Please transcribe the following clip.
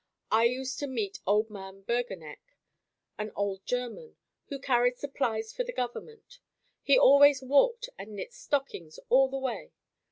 I used to meet old man Berganeck, an old German, who carried supplies for the government. He always walked and knit stockings all the way.